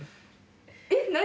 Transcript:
えっ？何？